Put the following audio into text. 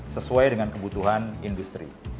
sesuai dengan kebutuhan industri